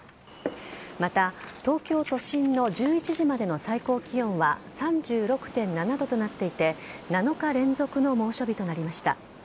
また、東京都心の１１時までの最高気温は３６．７度となっていて７日連続の猛暑日となりました。